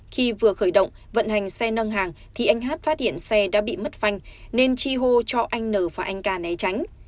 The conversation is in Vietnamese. khi vừa khởi động vận hành xe nâng hàng thì anh hát phát hiện xe đã bị mất phanh nên chi hô cho anh n và anh ca né tránh